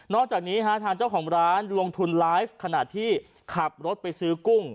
จากนี้ทางเจ้าของร้านลงทุนไลฟ์ขณะที่ขับรถไปซื้อกุ้ง